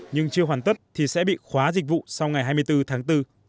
nhưng chưa hoàn tất thì sẽ bị khóa dịch vụ sau ngày hai mươi bốn tháng bốn